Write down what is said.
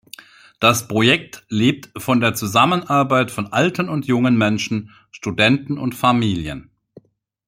Das Projekt lebt von der Zusammenarbeit von alten und jungen Menschen, Studenten und Familien.